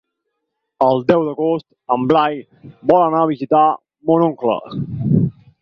El deu d'agost en Blai vol anar a visitar mon oncle.